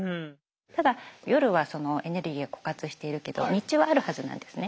ただ夜はエネルギーが枯渇しているけど日中はあるはずなんですね。